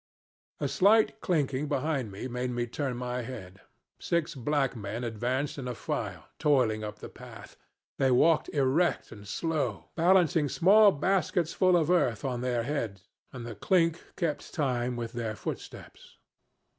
"A slight clinking behind me made me turn my head. Six black men advanced in a file, toiling up the path. They walked erect and slow, balancing small baskets full of earth on their heads, and the clink kept time with their footsteps.